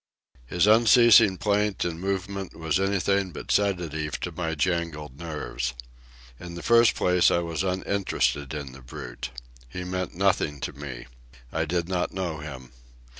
His unceasing plaint and movement was anything but sedative to my jangled nerves. In the first place I was uninterested in the brute. He meant nothing to me. I did not know him.